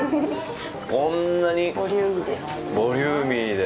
こんなにボリューミーで。